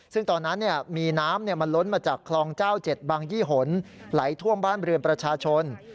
ซึ่งตอนนั้นมีน้ำมันล้นมาจากคลองเจ้า๗บางยี่หนไหลท่วมบ้านเรือนประชาชน